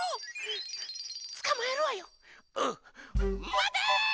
まて！